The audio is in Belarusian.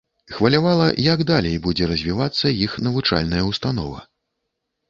Хвалявала, як далей будзе развівацца іх навучальная ўстанова.